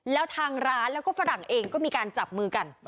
แล้วทางร้านแล้วก็ฝรั่งเองก็มีการจับมือกัน